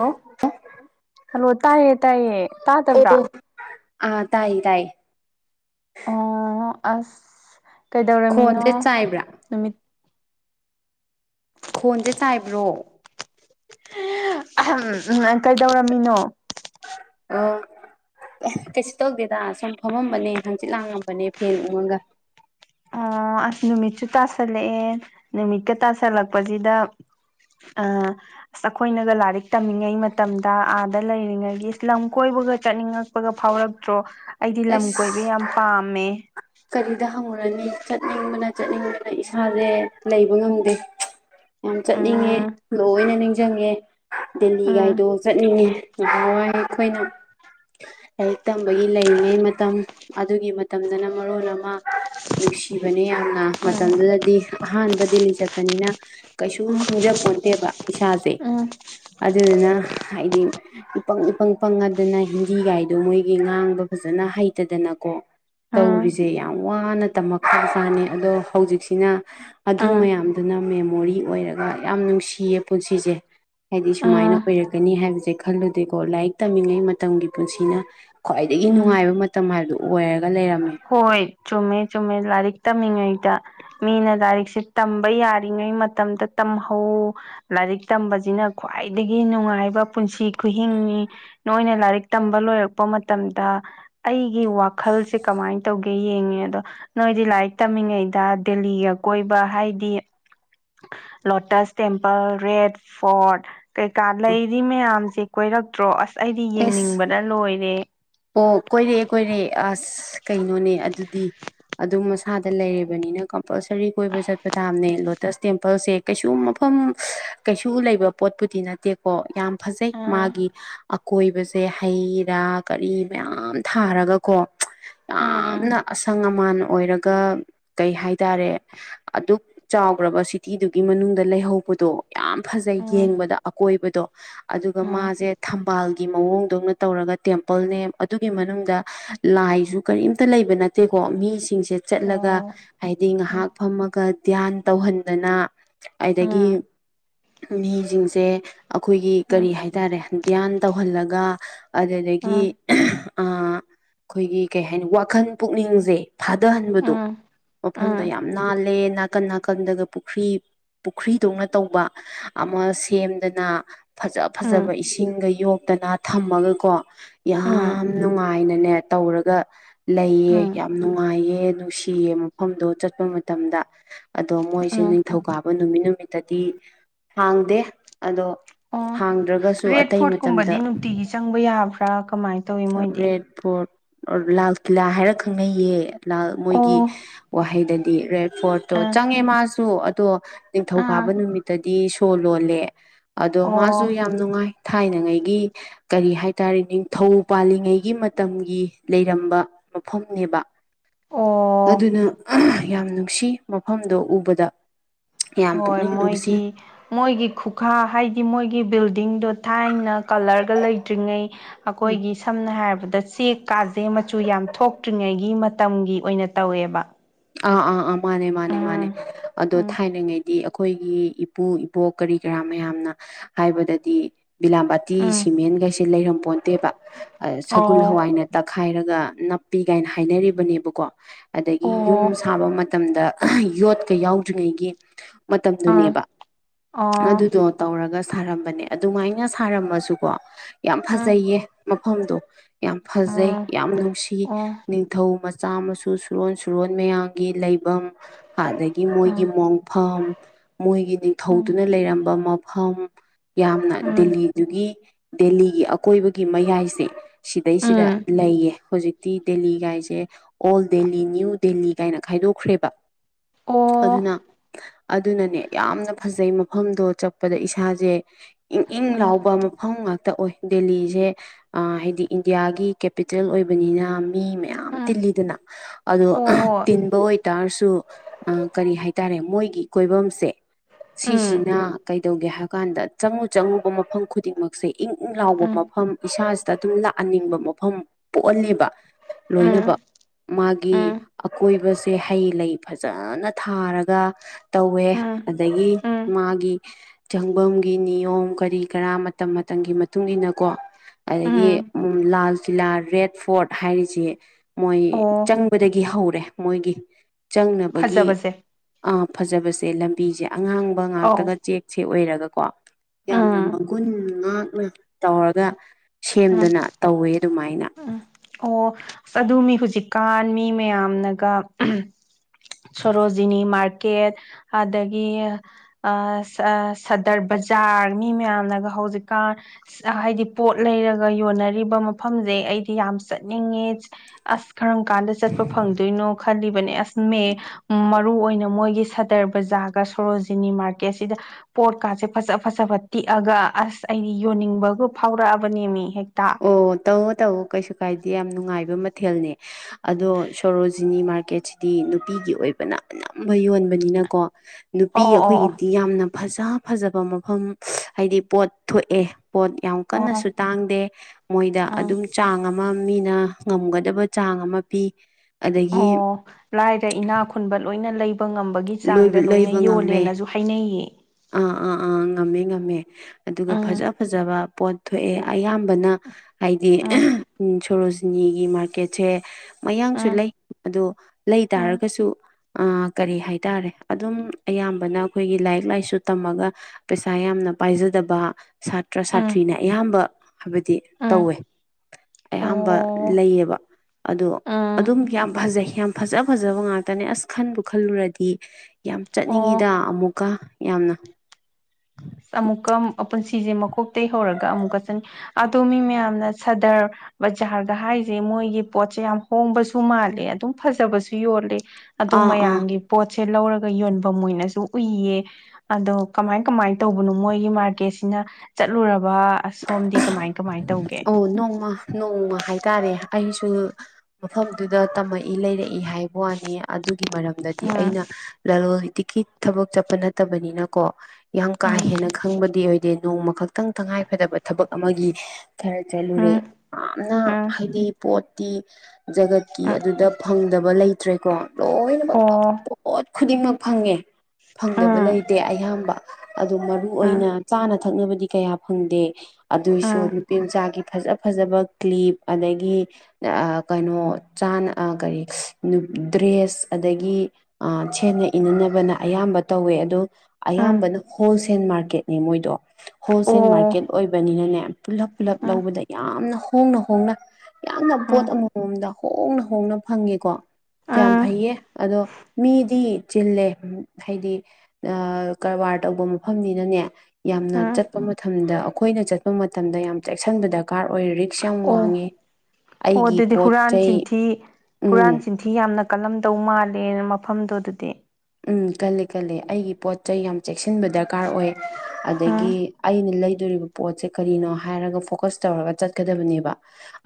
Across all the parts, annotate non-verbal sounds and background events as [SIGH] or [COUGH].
ꯑꯣ ꯍꯜꯂꯣ ꯇꯥꯏꯌꯦ ꯇꯥꯏꯌꯦ ꯇꯥꯗꯕ꯭ꯔꯥ ꯑꯣ ꯑꯥ ꯇꯥꯏ ꯇꯥꯏ ꯑꯣ ꯑꯁ ꯀꯩꯗꯧꯔꯝꯃꯤꯅꯣ ꯈꯣꯟꯁꯦ ꯆꯥꯏꯕ꯭ꯔꯥ ꯅꯨꯃꯤꯠ ꯈꯣꯟꯁꯦ ꯆꯥꯏꯕ꯭ꯔꯣ ꯀꯩꯗꯧꯔꯝꯃꯤꯅꯣ ꯑ ꯑꯦ ꯀꯩꯁꯨ ꯇꯧꯗꯦꯗ ꯁꯨꯝ ꯐꯝꯃꯝꯕꯅꯦ ꯍꯪꯆꯤꯠ ꯂꯥꯡꯉꯝꯕꯅꯦ ꯐꯦꯟ ꯎꯡꯉꯒ ꯑ ꯑꯁ ꯅꯨꯃꯤꯠꯁꯨ ꯇꯥꯁꯜꯂꯛꯑꯦ ꯅꯨꯃꯤꯠꯀ ꯇꯥꯁꯜꯂꯛꯄꯁꯤꯗ ꯑꯥ ꯑꯁ ꯑꯩꯈꯣꯏꯅꯒ ꯂꯥꯏꯔꯤꯛ ꯇꯝꯃꯤꯉꯩ ꯃꯇꯝꯗ ꯑꯥꯗ ꯂꯩꯔꯤꯉꯩꯒꯤ ꯂꯝ ꯀꯣꯏꯕꯒ ꯆꯠꯅꯤꯡꯉ ꯀꯄꯒ ꯐꯥꯎꯔꯛꯇ꯭ꯔꯣ ꯑꯩꯗꯤ ꯂꯝ ꯑꯁ ꯀꯣꯏꯕ ꯌꯥꯝ ꯄꯥꯝꯃꯦ ꯀꯔꯤꯗ ꯍꯪꯉꯨꯔꯅꯤ ꯆꯠꯅꯤꯡꯕꯅ ꯆꯠꯅꯤꯡꯕꯅ ꯏꯁꯥꯁꯦ ꯂꯩꯕ ꯉꯝꯗꯦ ꯌꯥꯝ ꯆꯠꯅꯤꯡꯉꯦ ꯎꯝ ꯂꯣꯏꯅ ꯅꯤꯡꯁꯤꯡꯉꯦ ꯎꯝ ꯗꯦꯜꯂꯤꯒꯒꯥꯥꯏꯗꯣ ꯆꯠꯅꯤꯡꯉꯤ ꯑꯩꯈꯣꯏꯅ ꯂꯥꯏꯔꯤꯛ ꯇꯝꯕꯒꯤ ꯂꯩꯔꯤꯉꯩ ꯃꯇꯝ ꯑꯗꯨꯒꯤ ꯃꯇꯝꯗꯅ ꯃꯔꯣ ꯑꯃ ꯅꯨꯡꯁꯤꯕꯅꯦ ꯌꯥꯝꯅ ꯎꯝ ꯃꯇꯝꯗꯨꯗꯗꯤ ꯑꯍꯥꯟꯕ ꯗꯤꯜꯂꯤ ꯆꯠꯄꯅꯤꯅ ꯀꯩꯁꯨ ꯈꯪꯖ ꯄꯣꯟꯇꯦꯕ ꯏꯁꯥꯁꯦ ꯎꯝ ꯑꯗꯨꯗꯨꯅ ꯍꯥꯏꯗꯤ ꯏꯄꯪ ꯏꯄꯪ ꯄꯪꯉꯗꯅ ꯍꯤꯟꯗꯤ ꯒꯥꯏꯗꯣ ꯃꯣꯏꯒꯤ ꯉꯥꯡꯕꯣ ꯐꯖꯅ ꯍꯩꯇꯗꯅꯀꯣ ꯎꯝ ꯇꯧꯔꯤꯁꯦ ꯌꯥꯝ ꯋꯥꯅ ꯇꯝꯃꯛꯛꯇꯕ ꯋꯥꯥꯅꯤ ꯑꯗꯣ ꯍꯧꯖꯤꯛꯁꯤꯅ ꯎꯝ ꯑꯗꯨ ꯎꯝ ꯃꯌꯥꯝꯗꯨꯅ ꯃꯦꯃꯣꯔꯤ ꯑꯣꯏꯔꯒ ꯌꯥꯝ ꯅꯨꯡꯁꯤꯌꯦ ꯄꯨꯟꯁꯤꯁꯦ ꯍꯥꯏꯗꯤ ꯁꯨꯃꯥꯏꯅ ꯎꯝ ꯑꯣꯏꯔꯛꯀꯅꯤ ꯍꯥꯏꯕꯁꯦ ꯈꯜꯂꯨꯗꯦꯀꯣ ꯂꯥꯏꯔꯤꯛ ꯇꯝꯃꯤꯉꯩ ꯃꯇꯝꯒꯤ ꯄꯨꯟꯁꯤꯅ ꯈ꯭ꯋꯥꯏꯗꯒꯤ ꯎꯝ ꯅꯨꯡꯉꯥꯏꯕ ꯃꯇꯝ ꯍꯥꯏꯕꯗꯨ ꯑꯣꯏꯔꯒ ꯂꯩꯔꯝꯃꯦ ꯍꯣꯏ ꯆꯨꯝꯃꯦ ꯆꯨꯝꯃꯦ ꯂꯥꯏꯔꯤꯛ ꯇꯝꯃꯤꯉꯩꯗ ꯃꯤꯅ ꯂꯥꯏꯔꯤꯛꯁꯦ ꯇꯝꯕ ꯌꯥꯔꯤꯉꯩ ꯃꯇꯝꯗ ꯇꯝꯍꯧ ꯂꯥꯏꯔꯤꯛ ꯇꯝꯕꯁꯤꯅ ꯈ꯭ꯋꯥꯏꯗꯒꯤ ꯅꯨꯡꯉꯥꯏꯕ ꯄꯨꯟꯁꯤ ꯈꯨꯍꯤꯤꯡꯅꯤ ꯅꯣꯏꯅ ꯂꯥꯏꯔꯤꯛ ꯇꯝꯕ ꯂꯣꯏꯔꯛꯄ ꯃꯇꯝꯗ ꯑꯩꯒꯤ ꯋꯥꯈꯜꯁꯦ ꯀꯃꯥꯏꯅ ꯇꯧꯒꯦ ꯌꯦꯡꯉꯦ ꯑꯗꯣ ꯅꯣꯏꯗꯤ ꯂꯥꯏꯔꯤꯛ ꯇꯝꯃꯤꯉꯩꯗ ꯗꯦꯜꯂꯤꯒ ꯀꯣꯏꯕ ꯍꯥꯏꯗꯤ ꯂꯣꯇꯁ ꯇꯦꯝꯄꯜ ꯔꯦꯠ ꯐꯣꯔꯠ ꯀꯩꯀꯥ ꯂꯩꯔꯤ ꯃꯌꯥꯝꯁꯦ ꯀꯣꯏꯔꯛꯇ꯭ꯔꯣ ꯑꯁ ꯑꯩꯗꯤ ꯑꯦꯁ ꯌꯦꯡꯅꯤꯡꯕꯅ ꯂꯣꯏꯔꯦ ꯑꯣ ꯀꯣꯏꯔꯛꯑꯦ ꯀꯣꯏꯔꯦ ꯑꯁ ꯀꯩꯅꯣꯅꯦ ꯑꯗꯨꯗꯤ ꯑꯗꯨꯝ ꯃꯁꯥꯗ ꯂꯩꯅꯤꯅ ꯀꯝꯄꯜꯁꯔꯤ ꯀꯣꯏꯕ ꯆꯠꯄ ꯇꯥꯕꯅꯦ ꯗꯁ ꯇꯦꯝꯄꯜꯁꯦ ꯀꯩꯁꯨ ꯃꯐꯝ ꯀꯩꯁꯨ ꯂꯩꯕ ꯄꯣꯠꯄꯨꯗꯤ ꯅꯠꯇꯦ ꯀꯣ ꯌꯥꯝ ꯐꯖꯩ ꯎꯝ ꯃꯥꯒꯤ ꯑꯀꯣꯏꯕꯁꯦ ꯍꯩ ꯔꯥꯛ ꯀꯔꯤ ꯃꯌꯥꯝ ꯊꯥꯔꯒꯀꯣ ꯎꯝ ꯌꯥꯝꯅ ꯑꯁꯪ ꯑꯃꯥꯟ ꯑꯣꯏꯔꯒ ꯀꯩ ꯍꯥꯏꯇꯥꯔꯦ ꯑꯗꯨꯛ ꯆꯥꯎꯈ꯭ꯔꯕ ꯁꯤꯇꯤꯗꯨꯒꯤ ꯃꯅꯨꯡꯗ ꯂꯩꯍꯧꯕꯗꯣ ꯌꯥꯝ ꯐꯖꯩ ꯎꯝ ꯎꯝ ꯌꯦꯡꯕꯗ ꯑꯀꯣꯏꯕꯗꯣ ꯑꯗꯨꯒ ꯎꯝ ꯃꯥꯁꯦ ꯊꯝꯕꯥꯜꯒꯤ ꯃꯑꯣꯡꯗꯧꯅ ꯇꯧꯔꯒ ꯇꯦꯝ ꯀꯄꯜꯅꯦ ꯑꯗꯨꯒꯤ ꯃꯅꯨꯡꯗ ꯂꯥꯏꯁꯨ ꯀꯔꯤꯝꯇ ꯂꯩꯕ ꯅꯠꯇꯦꯀꯣ ꯃꯤꯁꯤꯡꯁꯦ ꯆꯠꯂꯒ ꯑꯣ ꯍꯥꯏꯗꯤ ꯑꯣ ꯉꯥꯏꯍꯥꯛ ꯐꯝꯃꯒ ꯒ꯭ꯌꯥꯟ ꯇꯧꯍꯟꯗꯅ ꯑꯗꯒꯤ ꯃꯤꯁꯤꯡꯁꯦ ꯑꯩꯈꯣꯏꯒꯤ ꯀꯔꯤ ꯍꯥꯏꯇꯥꯔꯦ ꯘ꯭ꯌꯥꯟ ꯇꯧꯍꯜꯂꯒ ꯑꯗꯨꯗꯒꯤ ꯑ ꯈꯣꯏꯒꯤ ꯀꯩ ꯍꯥꯏꯅꯤ ꯋꯥꯈꯟ ꯄꯨꯛꯅꯤꯡꯁꯦ ꯊꯥꯗꯍꯟꯕꯗꯣ ꯃꯐꯝꯗꯣ ꯌꯥꯝ ꯅꯥꯜꯂꯦꯅ ꯀꯟ ꯅꯥꯀꯟꯗꯒ ꯄꯨꯈ꯭ꯔꯤ ꯄꯨꯈ꯭ꯔꯤꯗꯧꯅ ꯇꯧꯕ ꯑꯃ ꯁꯦꯝꯗꯅ ꯐꯖ ꯐꯖꯕ ꯏꯁꯤꯡꯒ ꯌꯣꯛꯇꯅ ꯊꯝꯃꯒꯀꯣ ꯌꯥꯝ ꯅꯨꯡꯉꯥꯏ ꯍꯥꯏꯅꯅꯦ ꯇꯧꯔꯒ ꯂꯩꯌꯦ ꯌꯥꯝ ꯅꯨꯡꯉꯥꯏꯌꯦ ꯅꯨꯡꯁꯤꯌꯦ ꯃꯐꯝꯗꯣ ꯆꯠꯄ ꯃ ꯃꯇꯝꯗ ꯑꯗꯣ ꯃꯣꯏꯁꯦ ꯅꯤꯡꯊꯧꯀꯥꯕ ꯅꯨꯃꯤꯠ ꯅꯨꯃꯤꯠꯇꯗꯤ ꯍꯥꯡꯗꯦ ꯑꯗꯣ ꯍꯥꯡꯗ꯭ꯔꯒꯁꯨ ꯔꯦꯠ ꯑꯇꯩ ꯃꯇꯝꯗ ꯐꯣꯔꯠꯀꯨꯝꯕꯗꯤ ꯅꯨꯡꯇꯤꯒꯤ ꯆꯪꯕ ꯌꯥꯕ꯭ꯔꯥ ꯀꯃꯥꯏ ꯔꯦꯗ ꯐꯣꯔꯠ ꯑꯣ ꯂꯥꯜ ꯀꯤꯂꯥ ꯍꯥꯏꯔ ꯈꯪꯅꯩꯌꯦ ꯅ ꯃꯣꯏꯒꯤ ꯑꯣ ꯋꯥꯍꯩꯗꯗꯤ ꯔꯦꯗ ꯐꯣꯔꯠꯇꯣ ꯑꯥ ꯆꯪꯉꯦ ꯃꯥꯁꯨ ꯑꯗꯣ ꯑꯥ ꯅꯤꯡꯊꯧꯀꯥꯕ ꯅꯨꯃꯤꯠꯇꯗꯤ ꯁꯣ ꯂꯣꯜꯂꯦ ꯑꯗꯣ ꯃꯥꯁꯨ ꯑꯣ ꯌꯥꯝ ꯅꯨꯡꯉꯥꯏ ꯊꯥꯏꯅꯉꯩꯒꯤ ꯀꯔꯤ ꯍꯥꯏꯇꯥꯔꯦ ꯅꯤꯡꯊꯧ ꯄꯥꯜꯂꯤꯉꯩꯒꯤ ꯃꯇꯝꯒꯤ ꯂꯩꯔꯝꯕ ꯃꯐꯝꯅꯦꯕ ꯑꯣ ꯑꯗꯨꯅ ꯌꯥꯝ ꯅꯨꯡꯁꯤ ꯃꯐꯝꯗꯣ ꯎꯕꯗ ꯌꯥꯝ ꯍꯣꯏ ꯄꯨꯛꯅꯤꯡ ꯅꯨꯡꯁꯤ ꯃꯣꯏꯒꯤ ꯃꯣꯏꯒꯤ ꯈꯨꯒꯥꯥ ꯍꯥꯏꯗꯤ ꯃꯣꯏꯒꯤ ꯕꯤꯜꯗꯤꯡꯗꯣ ꯊꯥꯏꯅ ꯀꯂꯔꯒ ꯂꯩꯇ꯭ꯔꯤꯉꯩ ꯎꯝ ꯑꯈꯣꯏꯒꯤ ꯁꯝꯅ ꯍꯥꯏꯔꯕꯗ ꯆꯦ ꯀꯥꯁꯦ ꯃꯆꯨ ꯌꯥꯝ ꯊꯣꯛꯇ꯭ꯔꯤꯉꯩꯒꯤ ꯃꯇꯝꯒꯤ ꯑꯣꯏꯅ ꯇꯧꯋꯦꯕ ꯑꯥ ꯑꯥ ꯑꯥ ꯃꯥꯅꯦ ꯃꯥꯅꯦ ꯃꯥꯅꯦ ꯎꯝ ꯑꯗꯣ ꯎꯝ ꯊꯥꯏꯅꯉꯩ ꯗꯤ ꯑꯈꯣꯏꯒꯤ ꯏꯄꯨ ꯏꯕꯣꯛ ꯀꯔꯤ ꯀꯔꯥꯛ ꯃꯌꯥꯝꯅ ꯍꯥꯏꯕꯗꯗꯤ ꯕꯤꯂꯥꯝꯕꯥꯇꯤ ꯇꯤ ꯎꯝ ꯁꯤꯃꯦꯟꯒꯩꯁꯦ ꯂꯩꯔꯝꯄꯣꯟ ꯇꯦꯕ ꯁꯒꯨꯜ ꯑꯣ ꯍꯋꯥꯏꯅ ꯇꯛꯈꯥꯏꯔꯒ ꯅꯞꯄꯤ ꯀꯥꯏꯅ ꯍꯥꯏꯅꯔꯤꯕꯅꯦꯕꯀꯣ ꯑꯗꯒꯤ ꯌꯨꯝ ꯑꯣ ꯁꯥꯕ ꯃꯇꯝꯗ ꯌꯣꯠꯀ ꯌꯥꯎꯗ꯭ꯔꯤꯉꯩꯒꯤ ꯑꯥ ꯃꯇꯝꯗꯨꯅꯦꯕ ꯑꯣ ꯑꯗꯨꯗꯣ ꯇꯧꯔꯒ ꯁꯥꯔꯝꯕꯅꯦ ꯑꯗꯨꯃꯥꯏꯅ ꯁꯥꯔꯝꯃꯁꯨꯀꯣ ꯌꯥꯝ ꯎꯝ ꯐꯖꯩꯌꯦ ꯃꯐꯝꯗꯣ ꯌꯥꯝ ꯐꯖꯩ ꯎꯝ ꯌꯥꯝ ꯅꯨꯡꯁꯤ ꯑꯣ ꯅꯤꯡꯊꯧ ꯃꯆꯥ ꯃꯁꯨ ꯁꯨꯔꯣꯟ ꯁꯨ ꯁꯨꯔꯣꯟ ꯃꯌꯥꯝꯒꯤ ꯂꯩꯕꯝ ꯍꯥ ꯑꯗꯒꯤ ꯃꯣꯏꯒꯤ ꯎꯝ ꯃꯣꯡꯐꯝ ꯃꯣꯏꯒꯤ ꯎꯝ ꯅꯤꯡꯊꯧꯗꯨꯅ ꯂꯩꯔꯝꯕ ꯃꯐꯝ ꯌꯥꯝꯅ ꯎꯝ ꯗꯦꯜꯂꯤꯗꯨꯒꯤ ꯗꯦꯂꯤꯒꯤ ꯑꯀꯣꯏꯕꯒꯤ ꯃꯌꯥꯏꯁꯦ ꯁꯤꯗꯩꯁꯤꯗ ꯎꯝ ꯂꯩꯌꯦ ꯍꯧꯖꯤꯛ ꯗꯤ ꯗꯦꯂꯤ ꯒꯥꯏꯁꯦ ꯑꯣꯜ ꯗꯦꯜꯂꯤ ꯅ꯭ꯌꯨ ꯗꯦꯜꯂꯤ ꯀꯥꯏꯅ ꯈꯥꯏꯗꯣꯛꯈ꯭ꯔꯦꯕ ꯑꯣ ꯑꯗꯨꯅ ꯑꯗꯨꯅꯅꯦ ꯌꯥꯝꯅ ꯐꯖꯩ ꯃꯐꯝꯗꯣ ꯆꯠꯄꯗ ꯏꯁꯥꯁꯦ ꯏꯪ ꯏꯪ ꯎꯝ ꯂꯥꯎꯕ ꯃꯐꯝ ꯉꯥꯛꯇ ꯑꯣꯏ ꯗꯦꯂꯤꯁꯦ ꯑ ꯍꯥꯏꯗꯤ ꯏꯟꯗꯤꯌꯥꯒꯤ ꯀꯦꯄꯤꯇꯦꯜ ꯑꯣꯏꯕꯅꯤꯅ ꯃꯤ ꯃꯌꯥꯝ ꯎꯝ ꯇꯤꯜꯂꯤꯗꯅ ꯑ ꯍꯣꯏ ꯇꯤꯟꯕ ꯑꯣꯏꯇꯥꯔꯁꯨ ꯀꯔꯤ ꯍꯥꯏꯇꯥꯔꯦ ꯃꯣꯏꯒꯤ ꯀꯣꯏꯕꯝꯁꯦ ꯎꯝ ꯁꯤꯁꯤꯅ ꯀꯩꯗꯧꯒꯦ ꯍꯥꯏꯕ ꯀꯥꯟꯗ ꯆꯪꯉꯨ ꯆꯪꯉꯨꯕ ꯃꯐꯝ ꯈꯨꯗꯤꯡ ꯃꯛꯁꯦ ꯏꯪꯪ ꯏꯪ ꯂꯥꯎꯕ ꯎꯝ ꯃꯐꯝ ꯏꯁꯥꯁꯤꯗ ꯑꯗꯨꯝ ꯂꯥꯛꯍꯟꯅꯤꯡꯕ ꯃꯐꯝ ꯄꯣꯛꯍꯜꯂꯦꯕ ꯂꯣꯏꯅꯕ ꯎꯝ ꯃꯥꯒꯤ ꯑꯀꯣꯏꯕꯁꯦ ꯍꯩ ꯂꯩ ꯐꯖꯅ ꯊꯥꯔꯒ ꯇꯧꯋꯦ ꯎꯝ ꯎꯝ ꯑꯗꯒꯤ ꯎꯝ ꯃꯥꯒꯤ ꯆꯪꯕꯝꯒꯤ ꯅꯤꯌꯣꯝ ꯀꯔꯤ ꯀꯔꯥ ꯃꯇꯝ ꯃꯇꯝꯒꯤ ꯃꯇꯨꯡ ꯏꯟꯅꯀꯣ ꯑꯗꯒꯤ ꯎꯝ ꯂꯥꯜ ꯆꯤꯂꯥ ꯔꯦꯠ ꯐꯣꯔꯠ ꯍꯥꯏꯔꯤꯁꯦ ꯃꯣꯏ ꯑꯣ ꯆꯪꯕꯗꯒꯤ ꯍꯧꯔꯦ ꯃꯣꯏꯒꯤ ꯆꯪꯅꯕꯒꯤ ꯐꯖꯕꯁꯦ ꯑ ꯐꯖꯕꯁꯦ ꯂꯝꯕꯤꯁꯦ ꯑꯉꯥꯡꯕ ꯑꯧ ꯉꯥꯛꯇꯒ ꯆꯦꯛꯁꯦ ꯑꯣꯏꯔꯒꯀꯣ ꯌꯥꯝꯅ ꯎꯝ ꯃꯒꯨꯟ ꯉꯥꯛꯅ ꯇꯧꯔꯒ ꯎꯝ ꯁꯦꯝꯗꯅ ꯇꯧꯋꯦ ꯑꯗꯨꯃꯥꯏꯅ ꯎꯝ ꯑꯣ ꯑꯁ ꯑꯗꯨ ꯃꯤ ꯍꯨꯖꯤꯛꯀꯥꯟ ꯃꯤ ꯃꯌꯥꯝꯅꯒ ꯁꯣꯔꯣꯖꯤꯅꯤ ꯃꯥꯔꯀꯦꯠ ꯑꯗꯒꯤ ꯑ ꯁ ꯁꯗꯔ ꯕꯖꯥꯔ ꯃꯤ ꯃꯌꯥꯝꯅꯒ ꯍꯧꯖꯤꯛꯀꯥꯟ ꯍꯥꯏꯗꯤ ꯄꯣꯠ ꯂꯩꯔꯒ ꯌꯣꯟꯅꯔꯤꯕ ꯃꯐꯝꯁꯦ ꯑꯩꯗꯤ ꯌꯥꯝ ꯆꯠꯅꯤꯡꯉꯦ ꯑꯁ ꯀꯔꯝ ꯀꯥꯟꯗ ꯆꯠꯄ ꯐꯪꯗꯣꯏꯅꯣ ꯈꯜꯂꯤꯕꯅꯦ ꯑꯁ ꯃꯦ ꯃꯔꯨ ꯑꯣꯏꯅ ꯃꯣꯏꯒꯤ ꯁꯥꯗꯔ ꯕꯖꯥꯔꯒ ꯁꯣꯔꯣꯖꯤꯅꯤ ꯃꯥꯔꯀꯦꯠꯁꯤꯗ ꯄꯣꯠ ꯀꯥꯁꯦ ꯐꯖ ꯐꯖꯕ ꯇꯤꯛꯑꯒ ꯑꯁ ꯑꯩꯗꯤ ꯌꯣꯟꯅꯤꯡꯕꯒ ꯐꯥꯎꯔꯛꯑꯕꯅꯦꯃꯤ ꯍꯦꯛꯇ ꯑꯣ ꯇꯧꯑꯣ ꯇꯧꯑꯣ ꯀꯩꯁꯨ ꯀꯥꯏꯗꯦ ꯌꯥꯝ ꯅꯨꯡꯉꯥꯏꯕ ꯃꯊꯦꯜꯅꯦ ꯑꯗꯣ ꯁꯣꯔꯣꯖꯤꯅꯤ ꯃꯥꯔꯀꯦꯠꯁꯤꯗꯤ ꯅꯨꯄꯤꯒꯤ ꯑꯣꯏꯕꯅ ꯑꯅꯝꯕ ꯌꯣꯟꯕꯅꯤꯅꯀꯣ ꯅꯨꯄꯤ ꯑꯣ ꯑꯣ ꯑꯣ ꯑꯈꯣꯏꯒꯤꯗꯤ ꯌꯥꯝꯅ ꯐꯖ ꯐꯖꯕ ꯃꯐꯝ ꯍꯥꯏꯗꯤ ꯄꯣꯠ ꯊꯣꯛꯑꯦ ꯄꯣꯠ ꯌꯥꯝ ꯀꯟꯅꯁꯨ ꯑꯣ ꯇꯥꯡꯗꯦ ꯃꯣꯏꯗ ꯑꯥ ꯑꯗꯨꯝ ꯆꯥꯡ ꯑꯃ ꯃꯤꯅ ꯉꯝꯒꯗꯕ ꯆꯥꯡ ꯑꯃ ꯄꯤ ꯑꯗꯒꯤ ꯑꯣ ꯂꯥꯏꯔ ꯏꯅꯥ ꯈꯨꯨꯟꯕ ꯂꯣꯏꯅ ꯂꯩꯕ ꯉꯝꯕꯒꯤ ꯆꯥꯡꯗ ꯂꯣꯏꯕ ꯂꯣꯏꯅ ꯂꯩꯕ ꯉꯝꯃꯦ ꯌꯣꯜꯂꯦꯅꯁꯨ ꯍꯥꯏꯅꯩꯌꯦ ꯑꯥ ꯑꯥ ꯑꯥ ꯉꯝꯃꯦ ꯉꯝꯃꯦ ꯑꯗꯨꯒ ꯎꯝ ꯐꯖ ꯐꯖꯕ ꯄꯣꯠ ꯊꯣꯛꯑꯦ ꯑꯌꯥꯝ ꯗꯅ ꯍꯥꯏꯗꯤ ꯎꯝ ꯁꯣꯔꯣꯖꯤꯅꯤꯒꯤ ꯃꯥꯔꯀꯦꯠꯁꯦ ꯃꯌꯥꯡꯁꯨ ꯎꯝ ꯂꯩ ꯑꯗꯣ ꯂꯩ ꯎꯝ ꯇꯥꯔꯒꯁꯨ ꯑ ꯀꯔꯤ ꯍꯥꯏꯇꯥꯔꯦ ꯑꯗꯨꯝ ꯑꯌꯥꯝꯕꯅ ꯑꯩꯈꯣꯏꯒꯤ ꯂꯥꯏꯔꯤꯛ ꯂꯥꯏꯁꯨ ꯇꯝꯃꯒ ꯄꯩꯁꯥ ꯌꯥꯝꯅ ꯄꯥꯏꯖꯗꯕ ꯁꯥꯇ꯭ꯔ ꯎꯝ ꯁꯥꯇ꯭ꯔꯤꯅ ꯑꯌꯥꯝꯕ ꯍꯥꯏꯕꯗꯤ ꯎꯝ ꯇꯧꯋꯦ ꯑꯌꯥꯝꯕ ꯑꯣ ꯂꯩꯌꯦꯕ ꯑꯗꯣ ꯎꯝ ꯑꯗꯨꯝ ꯌꯥꯝ ꯐꯖꯩ ꯌꯥꯝ ꯐꯖ ꯐꯖꯕ ꯉꯥꯛꯇꯅꯦ ꯑꯁ ꯈꯟꯕꯨ ꯈꯜꯂꯨꯔꯗꯤ ꯌꯥꯝ ꯑꯣ ꯆꯠꯅꯤꯡꯉꯤꯗ ꯑꯃꯨꯛꯀ ꯌꯥꯝꯅ ꯑꯃꯨꯛꯀ ꯄꯨꯟꯁꯤꯁꯦ ꯃꯀꯣꯛ ꯇꯩ ꯍꯧꯔꯒ ꯑꯃꯨꯛꯀ ꯆꯅꯤ ꯑꯗꯣ ꯃꯤ ꯃꯌꯥꯝꯅ ꯁꯥꯗꯔ ꯕꯖꯥꯔꯗ ꯍꯥꯏꯁꯦ ꯃꯣꯏꯒꯤ ꯄꯣꯠꯁꯦ ꯌꯥꯝ ꯍꯣꯡꯕꯁꯨ ꯃꯥꯜꯂꯦ ꯑꯗꯨꯝ ꯐꯖꯕꯁꯨ ꯌꯣꯜꯂꯦ ꯑꯗꯨ ꯑꯥ ꯑꯥ ꯃꯌꯥꯝꯒꯤ ꯄꯣꯠꯁꯦ ꯂꯧꯔꯒ ꯌꯣꯟꯐꯝ ꯃꯅꯁꯨ ꯎꯏꯌꯦ ꯑꯗꯣ ꯀꯃꯥꯏ ꯀꯃꯥꯏ ꯇꯧꯕꯅꯣ ꯃꯣꯏꯒꯤ ꯃꯥꯔꯀꯦꯠꯁꯤꯅ ꯆꯠꯂꯨꯔꯕ ꯑꯁꯣꯝꯗꯤ ꯀꯃꯥꯏ ꯀꯃꯥꯏ ꯇꯧꯒꯦ ꯑꯧ ꯅꯣꯡꯃ ꯅꯣꯡꯃ ꯍꯥꯏꯇꯥꯔꯦ ꯑꯩꯁꯨ ꯃꯐꯝꯗꯨꯗ ꯇꯝꯃꯛꯏ ꯂꯩꯔꯛꯏ ꯍꯥꯏꯕ ꯋꯥꯅꯤ ꯑꯗꯨꯒꯤ ꯃꯔꯝꯗꯗꯤ ꯎꯝ ꯑꯩꯅ ꯂꯂꯣ ꯏꯇꯤꯛꯀꯤ ꯊꯕꯛ ꯆꯠꯄ ꯅꯠꯇꯕꯅꯤꯅꯀꯣ ꯌꯥꯝ ꯀꯥ ꯎꯝ ꯍꯦꯟꯅ ꯈꯪꯕꯗꯤ ꯑꯣꯏꯗꯦ ꯅꯣꯡꯃ ꯈꯛꯇꯪ ꯇꯉꯥꯏ ꯐꯗꯕ ꯊꯕꯛ ꯑꯃꯒꯤ ꯈꯔ ꯆꯠꯂꯨꯔꯦ ꯌꯥꯝꯅ ꯎꯝ ꯍꯥꯏꯗꯤ ꯄꯣꯠꯇꯤ ꯖꯒꯠꯀꯤ ꯎꯝ ꯑꯗꯨꯗ ꯐꯪꯗꯕ ꯂꯩꯇ꯭ꯔꯦꯀꯣ ꯂꯣꯏꯅꯃꯛ ꯑꯥ ꯄꯣꯠ ꯈꯨꯗꯤꯡꯃꯛ ꯐꯪꯉꯦ ꯐꯪꯗꯕ ꯂꯩꯇꯦ ꯑꯌꯥꯝꯕ ꯑꯗꯨꯣ ꯃꯔꯨꯏ ꯎꯝ ꯑꯣꯏꯅ ꯆꯥꯅ ꯊꯛꯅꯕꯗꯤ ꯀꯌꯥ ꯐꯪꯗꯦ ꯎꯝ ꯑꯗꯨꯏꯁꯨ ꯎꯝ ꯅꯨꯄꯤ ꯃꯆꯥꯒꯤ ꯐꯖ ꯐꯖꯕ ꯀ꯭ꯂꯤꯞ ꯑꯗꯒꯤ ꯀꯩꯅꯣ ꯆ ꯀꯔꯤ ꯗ꯭ꯔꯦꯁ ꯑꯗꯒꯤ ꯁꯦꯠꯅ ꯏꯅꯅꯕꯅ ꯑꯌꯥꯝꯕ ꯇꯧꯋꯦ ꯑꯗꯣ ꯎꯝ ꯑꯌꯥꯝꯕꯅ ꯍꯣꯜꯁꯦꯜ ꯃꯥꯔꯀꯦꯠꯅꯦ ꯃꯣꯏꯗꯣ ꯑꯣ ꯑꯦꯟ ꯃꯥꯔꯀꯦꯠ ꯑꯣꯏꯕꯅꯤꯅꯅꯦ ꯄꯨꯜꯂꯞ ꯄꯨꯜꯂꯞ ꯎꯝ ꯂꯧꯕꯗ ꯌꯥꯝꯅ ꯍꯣꯡꯅ ꯍꯣꯡꯅ ꯌꯥꯝꯅ ꯎꯝ ꯄꯣꯠ ꯑꯃꯃꯝꯗ ꯍꯣꯡꯅ ꯍꯣꯡꯅ ꯐꯪꯉꯦꯀꯣ ꯌꯥꯝ ꯎꯝ ꯐꯩꯌꯦ ꯑꯗꯣ ꯃꯤꯗꯤ ꯆꯤꯜꯂꯦ ꯍꯥꯏꯗꯤ ꯀꯔꯕꯥꯔ ꯇꯧꯕ ꯃꯐꯝꯅꯤꯅꯅꯦ ꯌꯥꯝꯅ ꯎꯝ ꯆꯠꯄ ꯃꯇꯝꯗ ꯑꯩꯈꯣꯏꯅ ꯆꯠꯄ ꯃꯇꯝꯗ ꯌꯥꯝ ꯆꯦꯛꯁꯤꯟꯕ ꯗꯔꯀꯥꯔ ꯑꯣꯏ ꯔꯤꯛꯁ ꯌꯥꯝ ꯑꯣ ꯋꯥꯡꯉꯦ ꯑꯣ ꯑꯩꯒꯤ ꯑꯗꯨꯗꯤ ꯄꯣꯠ ꯍꯨꯔꯥꯟ ꯆꯩꯩ ꯆꯤꯟꯊꯤ ꯎꯝ ꯍꯨꯔꯥꯟ ꯌꯥꯝꯅ ꯀꯜꯂꯝꯗꯧ ꯃꯥꯜꯂꯦꯅ ꯃꯐꯝꯗꯣ ꯑꯗꯨꯗꯤ ꯎꯝ ꯀꯜꯂꯤ ꯀꯜꯂꯤ ꯑꯩꯒꯤ ꯄꯣꯠ ꯆꯩꯩ ꯌꯥꯝ ꯆꯦꯛꯁꯤꯟꯕ ꯗꯔꯀꯥꯔ ꯑꯣꯏ ꯑꯗꯒꯤ ꯎꯝ ꯑꯩꯅ ꯂꯩꯗꯣꯔꯤꯕ ꯄꯣꯠꯁꯦ ꯀꯔꯤꯅꯣ ꯍꯥꯏꯔꯒ ꯐꯣꯀꯁ ꯇꯧꯔꯒ ꯆꯠꯀꯗꯕꯅꯦꯕ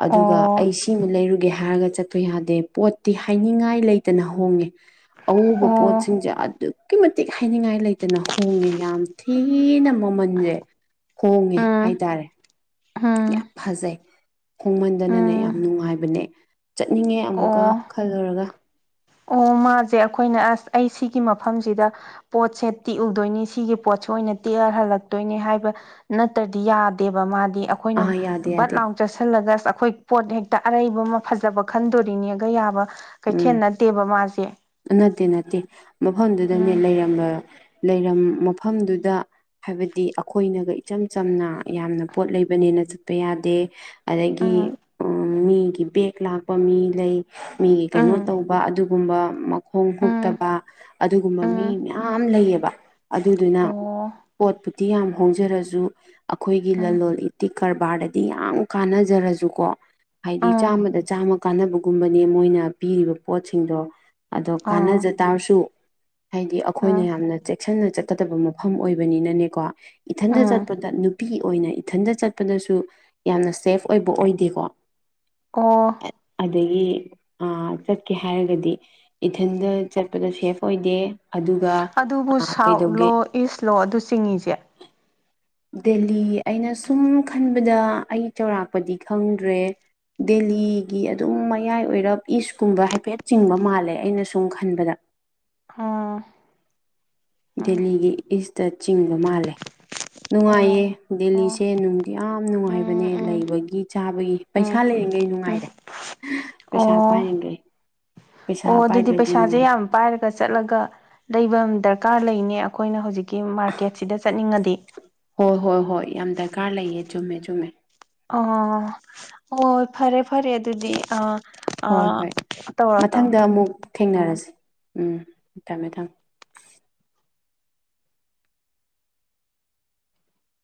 ꯑꯗꯨꯒ ꯑꯣ ꯑꯩꯁꯤ ꯁꯤꯃ ꯂꯩꯔꯨꯒꯦ ꯍꯥꯏꯔꯒ ꯆꯠꯄ ꯌꯥꯗꯦ ꯄꯣꯠꯇꯤ ꯍꯥꯏꯅꯤꯡꯉꯥꯏ ꯂꯩꯇꯅ ꯍꯣꯡꯉꯦ ꯑꯕꯄꯣ ꯑꯣ ꯑꯗꯨꯛꯀꯤ ꯃꯇꯤꯛ ꯍꯥꯏꯅꯤꯡꯉꯥꯏ ꯂꯩꯇꯅ ꯍꯣꯡꯉꯦ ꯌꯥꯝ ꯊꯤꯅ ꯃꯃꯜꯁꯦ ꯍꯣꯡꯉꯦ ꯎꯝ ꯍꯥꯏꯇꯥꯔꯦ ꯎꯝ ꯌꯥꯝ ꯐꯖꯩ ꯈꯣꯡꯃꯟꯗꯅꯅꯦ ꯌꯥꯝ ꯎꯝ ꯅꯨꯡꯉꯥꯏꯕꯅꯦ ꯆꯠꯅꯤꯡꯉꯦ ꯑꯃꯨꯛꯀ ꯑꯣ ꯈꯜꯂꯨꯔꯒ ꯑꯣ ꯃꯥꯁꯦ ꯑꯩꯈꯣꯏꯅ ꯑꯁ ꯑꯩ ꯁꯤꯒꯤ ꯃꯐꯝꯁꯤꯗ ꯄꯣꯠꯁꯦ ꯇꯤꯛꯎꯗꯣꯏꯅꯤ ꯁꯤꯒꯤ ꯄꯣꯠꯁꯦ ꯑꯣꯏꯅ ꯇꯤꯛꯑ ꯍꯜꯂꯛꯇꯣꯏꯅꯤ ꯍꯥꯏꯕ ꯅꯠꯇ꯭ꯔꯗꯤ ꯌꯥꯗꯦꯕ ꯃꯥꯗꯤ ꯑꯩꯈꯣꯏꯅ ꯑꯥ ꯌꯥꯗꯦ ꯕꯥꯠ ꯌꯥꯗꯦ ꯂꯥꯎ ꯆꯠꯁꯤꯜꯂꯒ ꯑ ꯑꯩꯈꯣꯏ ꯄꯣꯠ ꯍꯦꯛꯇ ꯑꯔꯩꯕ ꯑꯃ ꯐꯖꯕ ꯈꯟꯗꯣꯔꯤꯅꯦꯒ ꯌꯥꯕ ꯀꯩꯊꯦꯜ ꯎꯝ ꯅꯠꯇꯦꯕ ꯃꯥꯁꯦ ꯅꯠꯇꯦ ꯅꯠꯇꯦ ꯃꯐꯝꯗꯨꯗꯅꯦ ꯎꯝ ꯂꯩꯔꯝꯕ ꯂꯩꯔꯝ ꯃꯐꯝꯗꯨꯗ ꯍꯥꯏꯕꯗꯤ ꯑꯩꯈꯣꯏꯅꯒ ꯏꯆꯝ ꯆꯝꯅ ꯌꯥꯝꯅ ꯄꯣꯠ ꯂꯩꯕꯅꯦꯅ ꯆꯠꯄ ꯌꯥꯗꯦ ꯑꯗꯒꯤ ꯎꯝ ꯃꯤꯒꯤ ꯕꯦꯛ ꯂꯥꯛꯄ ꯃꯤ ꯂꯩ ꯃꯤꯒꯤ ꯀꯩꯅꯣ ꯎꯝ ꯇꯧꯕ ꯑꯗꯨꯒꯨꯝꯕ ꯃꯈꯣꯡ ꯍꯨꯛ ꯎꯝ ꯗꯥꯇꯥ ꯑꯗꯨꯒꯨꯝꯕ ꯎꯝ ꯃꯤ ꯃꯌꯥꯝ ꯂꯩꯌꯦꯕ ꯑꯗꯨꯗꯨꯅ ꯑꯣ ꯄꯣꯠꯄꯨꯗꯤ ꯌꯥꯝ ꯍꯣꯡꯖꯔꯁꯨ ꯑꯩꯈꯣꯏꯒꯤ ꯎꯝ ꯂꯂꯣꯟ ꯏꯇꯤꯛ ꯀꯔꯕꯥꯔꯗꯗꯤ ꯌꯥꯝ ꯀꯥꯟꯅꯖꯔꯁꯨꯀꯣ ꯍꯥꯏꯗꯤ ꯎꯝ ꯆꯥꯝꯃꯗ ꯆꯥꯝꯃ ꯀꯥꯟꯅꯕꯒꯨꯝꯕꯅꯦ ꯃꯣꯏꯅ ꯄꯤꯔꯤꯕ ꯄꯣꯠꯁꯤꯡꯗꯣ ꯑꯗꯣ ꯎꯝ ꯀꯥꯟꯅꯖ ꯇꯥꯔꯁꯨ ꯍꯥꯏꯗꯤ ꯑꯩꯈꯣꯏꯅ ꯎꯝ ꯌꯥꯝꯅ ꯆꯦꯛꯁꯤꯟꯅ [UNINTELLIGIBLE] ꯃꯐꯝ ꯑꯣꯏꯕꯅꯤꯅꯅꯦꯀꯣ ꯏꯊꯟꯗ ꯎꯝ ꯆꯠꯄꯗ ꯅꯨꯄꯤ ꯑꯣꯏꯅ ꯏꯊꯟꯗ ꯆꯠꯄꯗꯁꯨ ꯌꯥꯝꯅ ꯁꯦꯐ ꯑꯣꯏꯕ ꯑꯣꯏꯗꯦꯀꯣ ꯑꯣ ꯑꯗꯒꯤ ꯑꯥ ꯆꯠꯀꯦ ꯍꯥꯏꯔꯒꯗꯤ ꯏꯊꯟꯗ ꯆꯠꯄꯗ ꯁꯦꯐ ꯑꯣꯏꯗꯦ ꯑꯗꯨꯒ ꯑꯗꯨꯕꯨ ꯀꯩꯗꯧꯒꯦ ꯁꯥꯎꯠꯂꯣ ꯏꯁꯂꯣ ꯑꯗꯨ ꯆꯤꯡꯉꯤꯁꯦ ꯗꯦꯜꯂꯤ ꯑꯩꯅ ꯁꯨꯝ ꯈꯟꯕꯗ ꯑꯩ ꯆꯥꯎꯔꯥꯛꯄꯗꯤ ꯈꯪꯗ꯭ꯔꯦ ꯗꯦꯜꯂꯤꯒꯤ ꯑꯗꯨꯝ ꯃꯌꯥꯏ ꯑꯣꯏꯔꯞ ꯏꯁꯀꯨꯝꯕ ꯍꯥꯏꯐꯦꯠ ꯆꯤꯡꯕ ꯃꯥꯜꯂꯦ ꯑꯩꯅ ꯁꯨꯝ ꯈꯟꯕꯗ ꯎꯝ ꯎꯝ ꯗꯦꯜꯂꯤꯒꯤ ꯏꯁꯇ ꯆꯤꯡꯕ ꯃꯥꯜꯂꯦ ꯑꯣ ꯅꯨꯡꯉꯥꯏꯌꯦ ꯑꯣ ꯗꯦꯜꯂꯤꯁꯦ ꯅꯨꯡꯗꯤ ꯌꯥꯝ ꯎꯝ ꯅꯨꯡꯉꯥꯏꯕꯅꯦ ꯎꯝ ꯂꯩꯕꯒꯤ ꯆꯥꯕꯒꯤ ꯄꯩꯁꯥ ꯎꯝ ꯂꯩꯔꯤꯈꯩ ꯎꯝ ꯅꯨꯡꯉꯥꯏꯔꯦ ꯄꯩꯁꯥ ꯑꯣ ꯄꯥꯏꯔꯤꯈꯩ ꯄꯩꯁꯥ ꯑꯣ ꯑꯗꯨꯗꯤ ꯄꯥꯏꯗ꯭ꯔꯗꯤ ꯄꯩꯁꯥꯁꯦ ꯅꯨꯡꯉꯥꯏꯇꯦ ꯌꯥꯝ ꯄꯥꯏꯔꯒ ꯆꯠꯂꯒ ꯂꯩꯕ ꯑꯃ ꯗꯔꯀꯥꯔ ꯂꯩꯅꯦ ꯑꯩꯈꯣꯏꯅ ꯍꯧꯖꯤꯛꯀꯤ ꯃꯥꯔꯀꯦꯠꯁꯤꯗ ꯆꯠꯅꯤꯡꯉꯗꯤ ꯍꯣꯏ ꯍꯣꯏ ꯍꯣꯏ ꯌꯥꯝ ꯗꯔꯀꯥꯔ ꯂꯩꯌꯦ ꯆꯨꯝꯃꯦ ꯆꯨꯝꯃꯦ [UNINTELLIGIBLE] ꯑꯣ ꯐꯔꯦ ꯐꯔꯦ ꯑꯗꯨꯗꯤ ꯑꯥ ꯍꯣꯏ ꯑꯥ ꯍꯣꯏ ꯇꯧꯔꯣ ꯇꯧꯔꯣ ꯃꯊꯪꯗ ꯑꯃꯨꯛ ꯎꯝ ꯊꯦꯡꯅꯔꯁꯤ ꯎꯝ ꯊꯝꯃꯦ ꯊꯝꯃꯦ